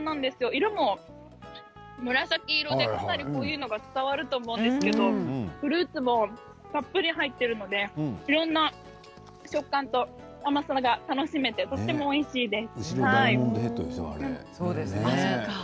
色も紫色でかなり濃いのが伝わると思うんですけどフルーツもたっぷり入っているのでいろんな食感と甘さが楽しめてとてもおいしいです。